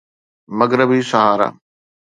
مغربي صحارا